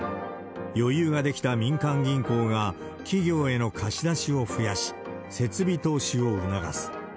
余裕が出来た民間銀行が、企業への貸し出しを増やし、設備投資を促す。